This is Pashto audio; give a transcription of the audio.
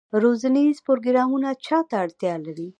روزنیز پروګرامونه چا ته اړتیا دي؟